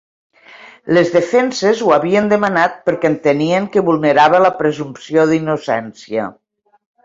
Les defenses ho havien demanat perquè entenien que vulnerava la presumpció d’innocència.